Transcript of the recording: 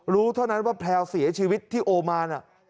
รู้เท่านั้นว่าแพลวเสียชีวิตที่โอมาน